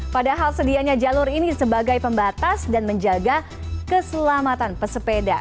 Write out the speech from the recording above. padahal sedianya jalur ini sebagai pembatas dan menjaga keselamatan pesepeda